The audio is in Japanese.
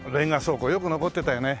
よく残ってたよね。